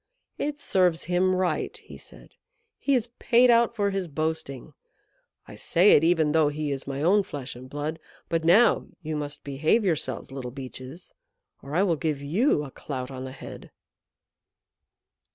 "It serves him right," he said. "He is paid out for his boasting. I say it, though he is my own flesh and blood. But now you must behave yourselves, Little Beeches, or I will give you a clout on the head."